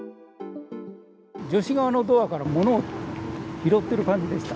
助手側のドアから物を拾ってる感じでした。